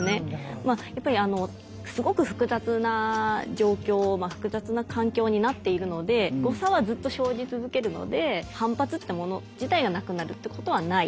まあやっぱりすごく複雑な状況複雑な環境になっているので誤差はずっと生じ続けるので反発ってもの自体がなくなるってことはない。